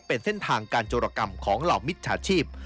เป็นเส้นทางการโจรกรรมของเหล่ามิจฉาชีพ